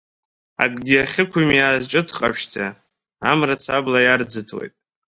Акгьы ахьықәымиааз ҽыҭк ҟаԥшьӡа, Амра-ца абла иарӡыҭуеит.